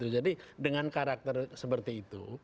jadi dengan karakter seperti itu